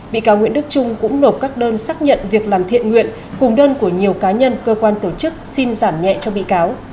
bị cáo nguyễn đức trung cũng nộp các đơn xác nhận việc làm thiện nguyện cùng đơn của nhiều cá nhân cơ quan tổ chức xin giảm nhẹ cho bị cáo